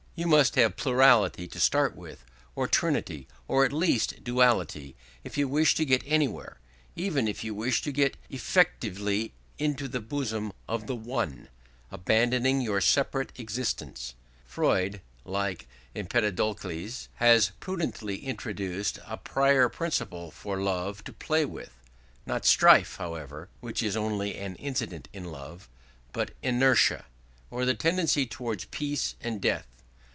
You must have plurality to start with, or trinity, or at least duality, if you wish to get anywhere, even if you wish to get effectively into the bosom of the One, abandoning your separate existence. Freud, like Empedocles, has prudently introduced a prior principle for Love to play with; not Strife, however (which is only an incident in Love), but Inertia, or the tendency towards peace and death.